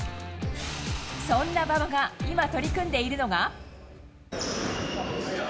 そんな馬場が今、取り組んでいるのが。